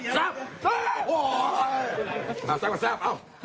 เจ็บ